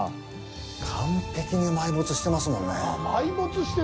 完璧に埋没してますもんね。